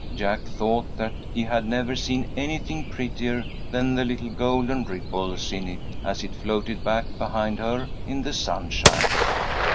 Jack thought that he had never seen anything prettier than the little golden ripples in it, as it floated back behind her in the sunshine.